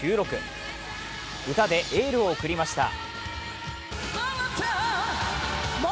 歌でエールを送りました。